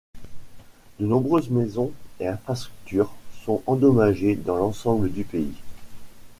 De nombreuses maisons et infrastructures sont endommagées dans l'ensemble du pays.